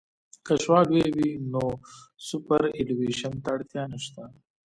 که شعاع لویه وي نو سوپرایلیویشن ته اړتیا نشته